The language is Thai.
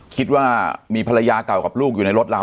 คิดว่ามีภรรยาเก่ากับลูกอยู่ในรถเรา